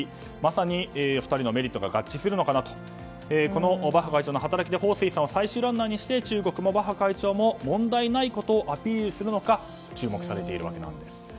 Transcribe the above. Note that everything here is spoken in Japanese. まさに２人のメリットが合致するのかなとバッハ会長の働きでホウ・スイさんを最終ランナーにして中国もバッハ会長も問題ないことをアピールするのか注目されているんです。